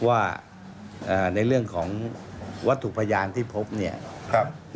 ว่าในเรื่องของวัตถุพยานที่พบเนี่ยครับ